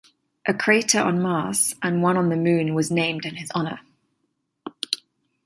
A crater on Mars and one on the Moon was named in his honor.